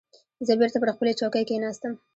زه بېرته پر خپلې چوکۍ کېناستم.